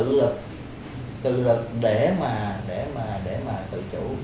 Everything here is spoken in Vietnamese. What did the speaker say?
tự lực tự lực để mà để mà để mà tự chủ